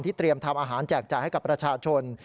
เตรียมทำอาหารแจกจ่ายให้กับประชาชน